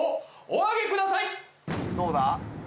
どうだ？